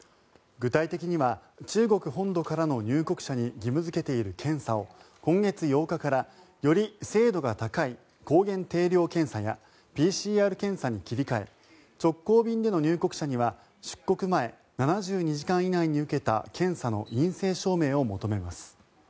具体的には中国本土からの入国者に義務付けている検査を今月８日からより精度が高い抗原定量検査やＰＣＲ検査に切り替え直行便での入国者には出国前７２時間以内に受けた検査の陰性証明を求めます。